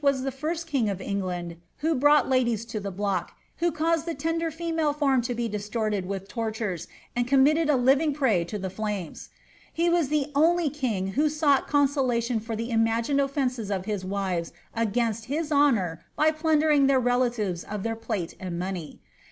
was the first king of England who brought ladies to the block, and who caused the toder female form to be distorted with tortures and committed a living pnj to the flames. He was the only king who sought consolation for liic imagined ofiences of his wives against his honour by plundering tbdr relatives of their plate and money.